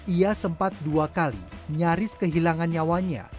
ia sempat dua kali nyaris kehilangan nyawanya